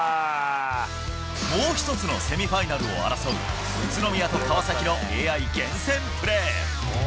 もう一つのセミファイナルを争う宇都宮と川崎のＡＩ厳選プレー。